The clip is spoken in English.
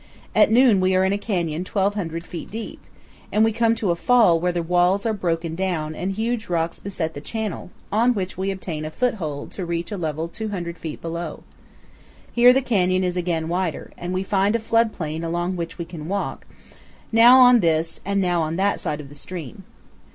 At noon we are in a canyon 2,500 feet deep, and we come to a fall where the walls are broken down and huge rocks beset the channel, on which we obtain a foothold to reach a level 200 feet below. Here the canyon is again wider, and we find a flood plain along which we can walk, now on this, and now on that side of the stream.